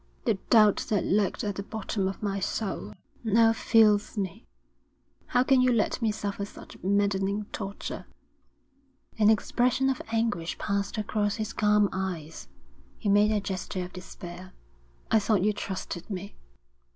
'The doubt that lurked at the bottom of my soul, now fills me. How can you let me suffer such maddening torture?' An expression of anguish passed across his calm eyes. He made a gesture of despair. 'I thought you trusted me.'